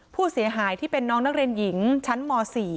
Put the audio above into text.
ผู้เสียหายที่เป็นน้องนักเรียนหญิงชั้นม๔